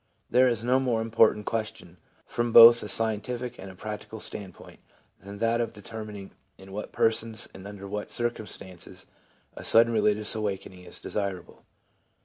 There is no more important question, from both a scientific and a practical standpoint, than that of de termining in what persons and under what circumstances a sudden religious awakening is desirable.